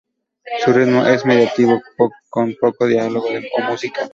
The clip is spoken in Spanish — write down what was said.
Su ritmo es meditativo, con poco diálogo o música.